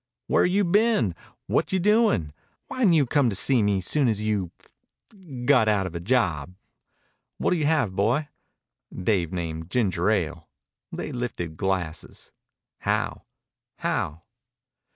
"Where you been? What you doin'? Why n't you come to me soon as you ... got out of a job? What'll you have, boy?" Dave named ginger ale. They lifted glasses. "How?" "How?"